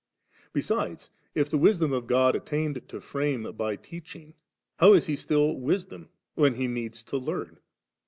Besides, if the Wisdom of God attained to frame by teach ing, how is He still Wisdom, when He needs to learn?